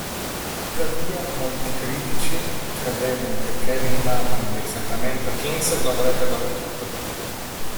Tuttavia, molti critici credevano che Kevin Martin dei Sacramento Kings lo avrebbe battuto.